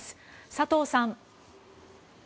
佐藤さん。